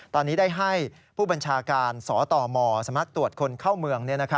ตอนนี้ได้ให้ผู้บัญชาการสตมสามารถตรวจคนเข้าเมือง